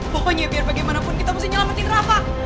pokoknya biar bagaimanapun kita mesti nyelamatin rapat